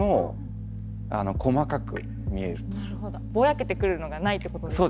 なるほどぼやけてくるのがないってことですか？